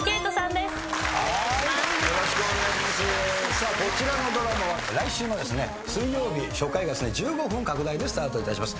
さあこちらのドラマは来週の水曜日初回が１５分拡大でスタートいたします。